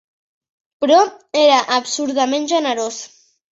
Però era absurdament generós.